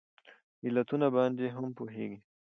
علتونو باندې هم پوهیږي